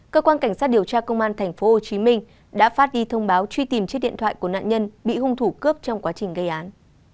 cơ quan cảnh sát điều tra công an tp hcm đã phát đi thông báo truy tìm chiếc điện thoại của nạn nhân bị hung thủ cướp trong quá trình gây án